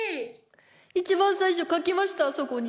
一番最初書きましたあそこに。